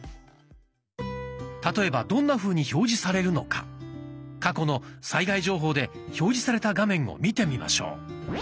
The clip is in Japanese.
例えばどんなふうに表示されるのか過去の災害情報で表示された画面を見てみましょう。